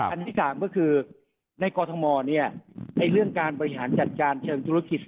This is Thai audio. อันที่๓ก็คือในกรทมในเรื่องการบริหารจัดการเชิงธุรกิจ